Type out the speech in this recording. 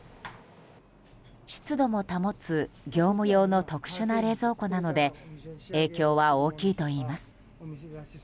湿度も保つ業務用の特殊な冷蔵庫なので影響は大きいといいます。